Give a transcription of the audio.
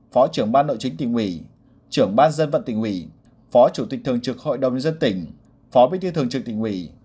phó trưởng ban nội chính tỉnh uỷ trưởng ban dân vận tỉnh uỷ phó chủ tịch thường trực hội đồng dân tỉnh phó bí thư thường trực tỉnh uỷ